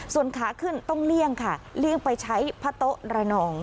ส่วนขาขึ้นต้องเลี่ยงค่ะเลี่ยงไปใช้พระโต๊ะระนอง